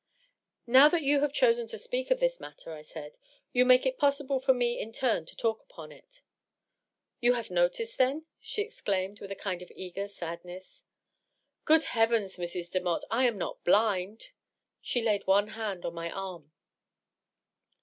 " Now that you have chosen to speak of this matter," I said, " you make it possible for me in turn to talk upon it." " You have noticed, then !" she exclaimed, with a kind of eager " Good heavens, Mrs. Demotte ! I am not blind I" She laid one hand on mv arm.